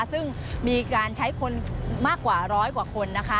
ซึ่งมีการใช้คนมากกว่าร้อยกว่าคนนะคะ